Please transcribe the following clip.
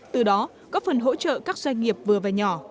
từ đó có phần hỗ trợ các doanh nghiệp vừa và nhỏ